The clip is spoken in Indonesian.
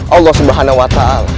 allah subhanahu wa ta'ala